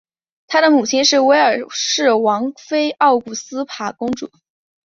他的母亲是威尔士王妃奥古斯塔公主。